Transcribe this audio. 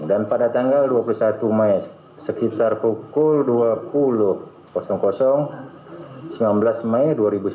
dan pada tanggal dua puluh satu mei sekitar pukul dua puluh sembilan belas mei dua ribu sembilan belas